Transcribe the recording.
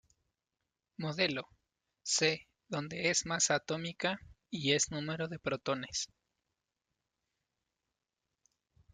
Modelo: C donde es Masa atómica y es número de protones.